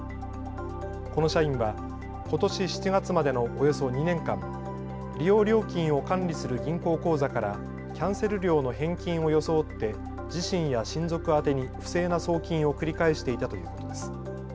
この社員は、ことし７月までのおよそ２年間、利用料金を管理する銀行口座からキャンセル料の返金を装って自身や親族宛てに不正な送金を繰り返していたということです。